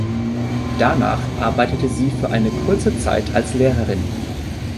Danach arbeitete sie für eine kurze Zeit als Lehrerin.